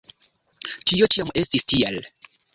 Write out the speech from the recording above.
Tio ĉiam estis tiel.